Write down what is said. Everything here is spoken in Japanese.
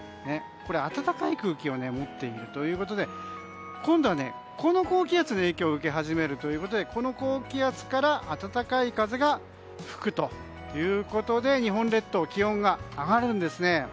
暖かい空気を持っているということで今度はこの高気圧の影響を受け始めるということでこの高気圧から暖かい風が吹くということで日本列島、気温が上がるんですね。